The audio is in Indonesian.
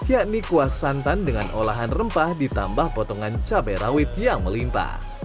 yakni kuah santan dengan olahan rempah ditambah potongan cabai rawit yang melimpa